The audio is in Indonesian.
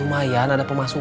lumayan ada pemasukan